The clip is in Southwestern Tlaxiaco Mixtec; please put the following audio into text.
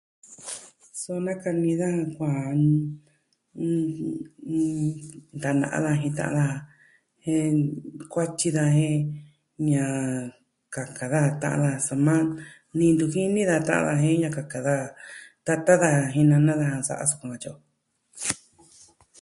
So nakani da kuaan mm.. tana'a daja jin ta'an daja jen kuatyi daja jen ña'an kakan daja ta'an daja, soma ni ntu jini daja ta'an daja jen ña'an kakan daja. Tata daja jin nana daja nsa'a sukuan katyi o.